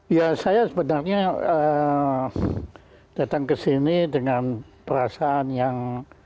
ya saya sebenarnya datang ke sini dengan perasaan yang